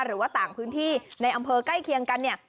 หรือว่าต่างพื้นที่ในอำเภอใกล้เคียงกันเนี่ย